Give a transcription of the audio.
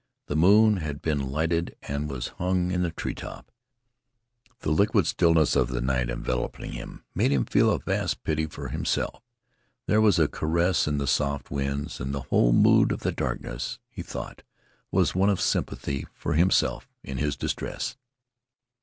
The moon had been lighted and was hung in a treetop. The liquid stillness of the night enveloping him made him feel vast pity for himself. There was a caress in the soft winds; and the whole mood of the darkness, he thought, was one of sympathy for himself in his distress.